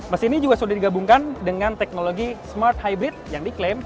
mesin ini juga sudah digabungkan dengan teknologi smart hybrid yang diklaim